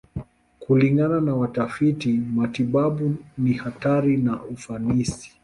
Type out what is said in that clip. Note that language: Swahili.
Kulingana na watafiti matibabu, ni hatari na ufanisi.